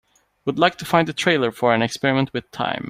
Would like to find the trailer for An Experiment with Time